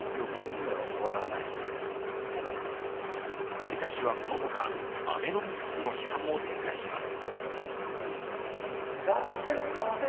有田氏はこのほかアベノミクスの批判も展開します。